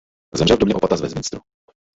Zemřel v domě opata z Westminsteru.